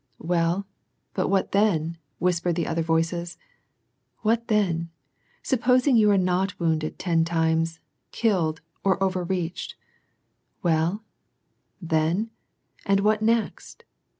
" Well, but what then," whispered the other voices ;" what then ? supposing you are not wounded ten times, killed, or overreached, well, then, and what next